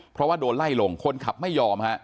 เพราะว่าโดนไล่ลงคนขับไม่ยอมฮะ